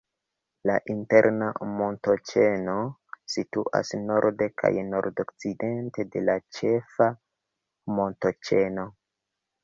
La Interna montoĉeno situas norde kaj nord-okcidente de la Ĉefa montoĉeno.